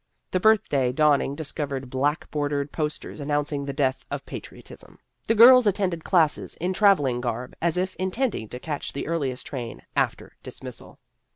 The birthday dawning discovered black bordered posters announcing the death of patriotism. The girls attended classes in travelling garb, as if intending to catch the earliest train after dismissal.